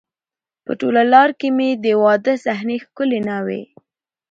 په ټوله لار کې مې د واده صحنې، ښکلې ناوې،